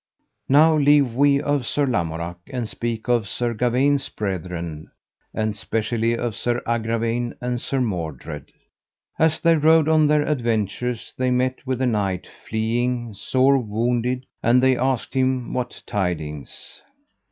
Now leave we of Sir Lamorak, and speak of Sir Gawaine's brethren, and specially of Sir Agravaine and Sir Mordred. As they rode on their adventures they met with a knight fleeing, sore wounded; and they asked him what tidings.